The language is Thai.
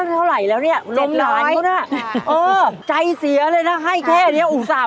ลงหลายเหรอน่ะเออใจเสียเลยน่ะให้แค่นี้อุ๊คสาม